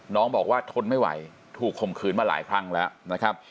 น้องบอกว่าทนไม่ไหวถูกข่มขืนมาหลายครั้งแล้วนะครับ